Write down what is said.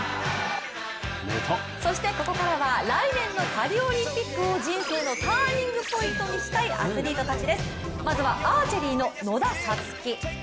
そしてここからは来年のパリオリンピックを人生のターニングポイントにしたいアスリートたちです。